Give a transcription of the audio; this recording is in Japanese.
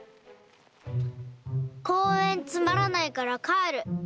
公園つまらないから帰る。